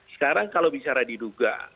sekarang kalau bicara diduga